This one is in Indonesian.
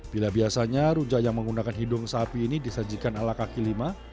bila biasanya rujak yang menggunakan hidung sapi ini disajikan ala kaki lima